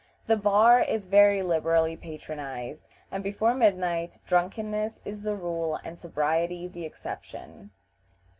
The bar is very liberally patronized, and before midnight drunkenness is the rule and sobriety the exception.